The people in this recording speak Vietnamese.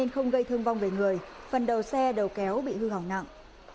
không gây thương vong về người phần đầu xe đầu kéo bị hư hỏng nặng